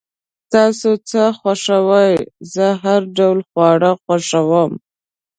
تاسو څه خوښوئ؟ زه هر ډوله خواړه خوښوم